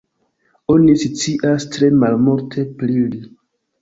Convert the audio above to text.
Oni scias tre malmulte pri li.